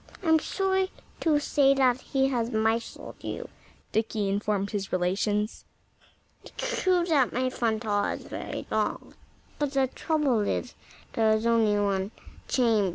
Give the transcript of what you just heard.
"I'm sorry to say that he has misled you," Dickie informed his relations. "It's true that my front hall is very long. But the trouble is, there's only one chamber."